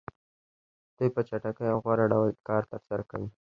دوی په چټک او غوره ډول کار ترسره کوي